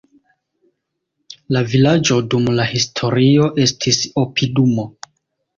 La vilaĝo dum la historio estis opidumo.